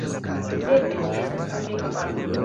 Nuntempe ĝi estas publika parko.